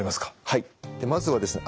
はいまずはですね